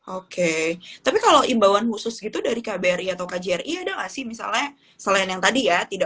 oke tapi kalau imbauan khusus gitu dari kbri atau kjri ada nggak sih misalnya selain yang tadi ya